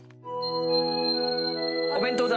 お弁当だ！